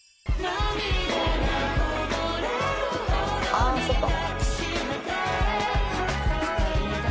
「ああそうか」